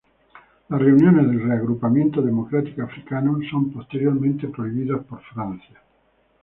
Las reuniones del Reagrupamiento Democrático Africano son posteriormente prohibidas por Francia.